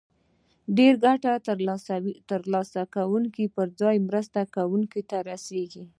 ډیره ګټه د تر لاسه کوونکو پر ځای مرستو ورکوونکو ته رسیږي.